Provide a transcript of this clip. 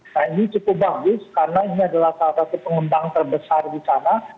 nah ini cukup bagus karena ini adalah salah satu pengembang terbesar di sana